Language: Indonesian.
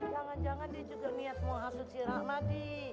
jangan jangan dia juga niat mau hasut si rahmadi